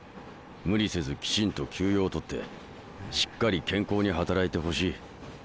無理せずきちんと休養を取ってしっかり健康に働いてほしい。